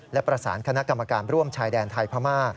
และประสานคณะกรรมการร่วมชายแดนไทยพม่า